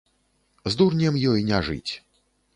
З дурнем ёй не жыць.